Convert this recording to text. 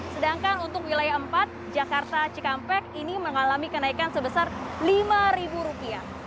sedangkan untuk wilayah empat jakarta cikampek ini mengalami kenaikan sebesar rp lima